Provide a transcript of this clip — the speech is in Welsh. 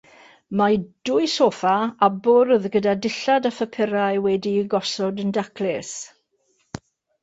Mae dwy soffa a bwrdd gyda dillad a phapurau wedi'u gosod yn daclus.